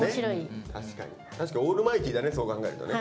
確かにオールマイティーだねそう考えるとね。